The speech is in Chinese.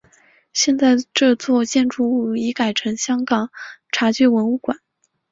现在这座建筑物已改为香港茶具文物馆。